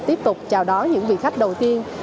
tiếp tục chào đón những vị khách đầu tiên